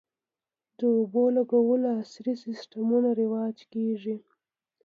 د اوبولګولو عصري سیستمونه رواج کیږي